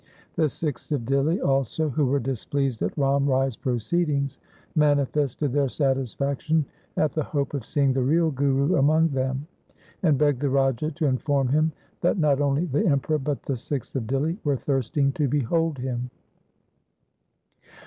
The Sikhs of Dihli also, who were displeased at Ram Rai's proceedings, manifested their satisfaction at the hope of seeing the real Guru among them, and LIFE OF GURU HAR KRISHAN 319 begged the Raja to inform him that not only the Emperor but the Sikhs of Dihli were thirsting to be hold him.